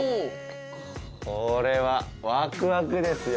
これはワクワクですよ。